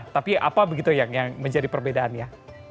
tapi apa begitu yang menjadi perbedaannya